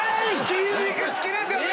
筋肉好きですよね！？